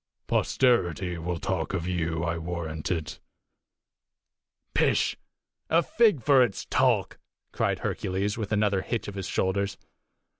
Posterity will talk of you, I warrant it." "Pish! a fig for its talk!" cried Hercules, with another hitch of his shoulders.